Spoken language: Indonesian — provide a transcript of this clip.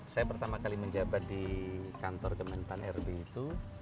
saya pertama kali menjabat di kantor gementan rbi itu